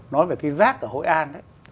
nói về cái rác ở hội an ấy